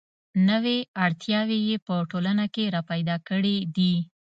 نوې اړتیاوې یې په ټولنه کې را پیدا کړې دي.